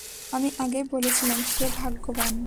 আমি আগেই বলেছিলাম, সে ভাগ্যবান।